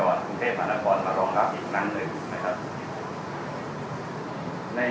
กรุงเทพธรรมนครมารองรับอีกนั้นหนึ่ง